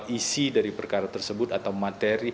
isi dari perkara tersebut atau materi